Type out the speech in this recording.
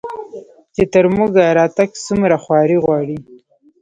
چې تر موږه راتګ څومره خواري غواړي